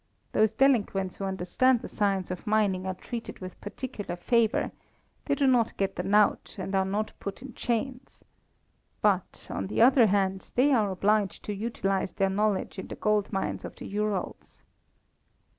Those delinquents who understand the science of mining are treated with particular favour: they do not get the knout, and are not put in chains. But, on the other hand, they are obliged to utilize their knowledge in the gold mines of the Urals."